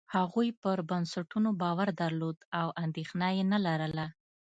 هغوی پر بنسټونو باور درلود او اندېښنه یې نه لرله.